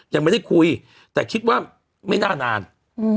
ยังไม่ได้คุยแต่คิดว่าไม่น่านาน